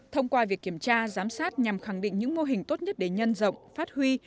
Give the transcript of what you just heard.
thông qua việc kiểm tra giám sát nhằm khẳng định những mô hình tốt nhất để nhân rộng phát huy